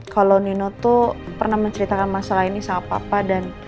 kalau nino tuh pernah menceritakan masalah ini sama papa